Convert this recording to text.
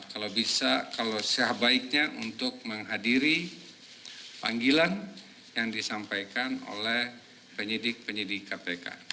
kalau bisa kalau sehat baiknya untuk menghadiri panggilan yang disampaikan oleh penyidik penyidik kpk